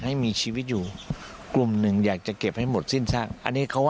นี่ค่ะมุมมองของอาจารย์ปรเมฆซึ่งนอกจากนี้ก็ยังแนะนำถึงการทำงานของตำรวจด้วย